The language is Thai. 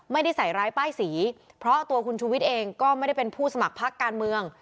ไม่ได้ใส่ร้ายป้ายสีเพราะตัวคุณชูวิทย์เองก็ไม่ได้เป็นผู้สมัครพักการเมือง